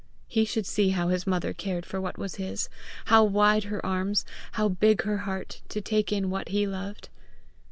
He should see how his mother cared for what was his! how wide her arms, how big her heart, to take in what he loved!